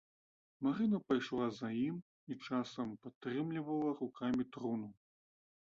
Марына пайшла за ім і часам падтрымлівала рукамі труну.